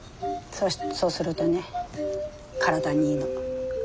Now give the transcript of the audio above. そうするとね体にいいの。